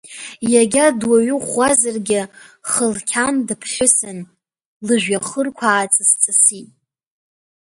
Иагьа дуаҩы ӷәӷәазаргьы, хылқьан дыԥҳәысын, лыжәҩахырқәа ааҵысҵысит.